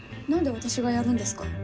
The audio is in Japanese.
何で私がやるんですか？